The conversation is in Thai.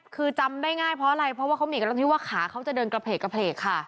คือจำได้ง่ายเพราะอะไรเพราะว่าเขามีกำลังที่ว่าขาเขาจะเดินกระเพลกค่ะ